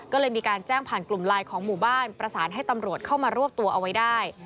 ก็เลยมีการแจ้งผ่านกลุ่มไลน์ของหมู่บ้านประสานให้ตำรวจเข้ามารวบตัวเอาไว้ได้